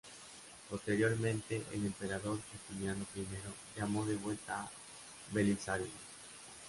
Posteriormente, el emperador Justiniano I llamó de vuelta a Belisario.